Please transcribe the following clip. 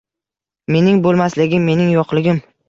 Mening bo‘lmasligim, mening yo‘qligim…